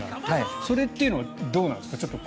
それというのはどうなんですか？